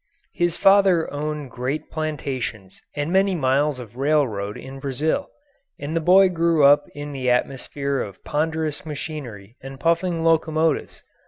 His father owned great plantations and many miles of railroad in Brazil, and the boy grew up in the atmosphere of ponderous machinery and puffing locomotives.